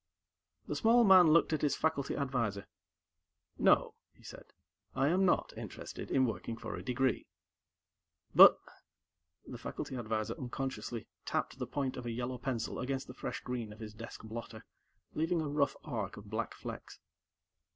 The small man looked at his faculty advisor. "No," he said. "I am not interested in working for a degree." "But " The faculty advisor unconsciously tapped the point of a yellow pencil against the fresh green of his desk blotter, leaving a rough arc of black flecks.